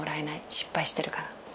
失敗してるから。